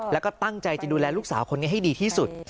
แล้วก็ตั้งใจจะดูแลลูกสาวคนนี้ให้ดีที่สุด